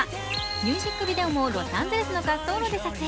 ミュージックビデオもロサンゼルスの滑走路で撮影。